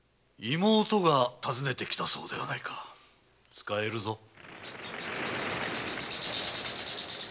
妹が訪ねてきたそうではないか使えるぞ。